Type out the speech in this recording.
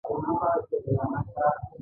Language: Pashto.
دا په یوه ناسته کې عملي او علمي مباحثه ده.